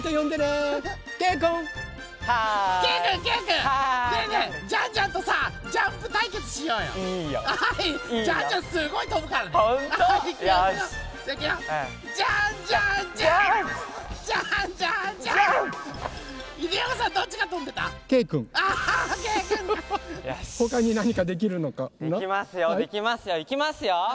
できますよ。